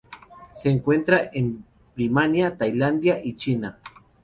Se encuentra en Birmania, Tailandia y China.